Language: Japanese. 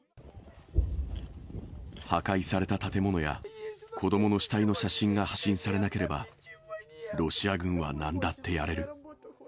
破壊された建物や、子どもの死体の写真が発信されなければ、ロシア軍はなんだってやれる。